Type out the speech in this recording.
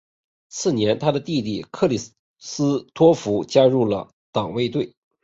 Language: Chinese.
次年他的弟弟克里斯托福加入了党卫队。